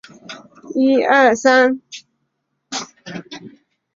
西魏废帝二年。